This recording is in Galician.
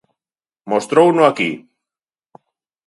Mostrouno aquí.